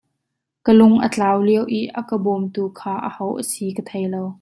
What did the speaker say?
Ka lung a tlau lio i a ka bawm tu kha aho a si ka thei lo.